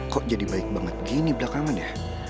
kok jadi baik banget gini belakangan ya